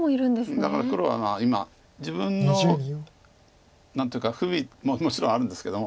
だから黒は今自分の何ていうか不備もちろんあるんですけども。